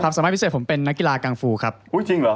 สามารถพิเศษผมเป็นนักกีฬากังฟูครับอุ้ยจริงเหรอ